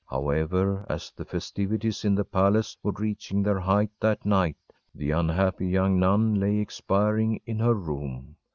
However, as the festivities in the palace were reaching their height that night, the unhappy young nun lay expiring in her room.